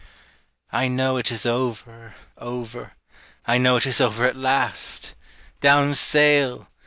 I know it is over, over, I know it is over at last! Down sail!